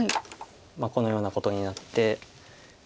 このようなことになって。